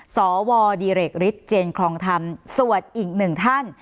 สวดิเรกฤทธิ์ทรีย์เตินคลองทำสวทธิ์อีก๑ท่าน